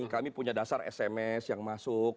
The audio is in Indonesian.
kami punya dasar sms yang masuk